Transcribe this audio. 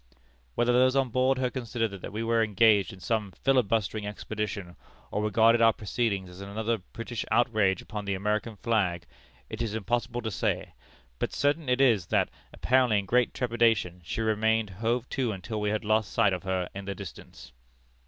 Whether those on board her considered that we were engaged in some filibustering expedition, or regarded our proceedings as another British outrage upon the American flag, it is impossible to say; but certain it is that, apparently in great trepidation, she remained hove to until we had lost sight of her in the distance.